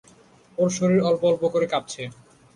ওর শরীর অল্প-অল্প করে কাঁপছে।